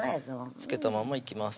付けたままいきます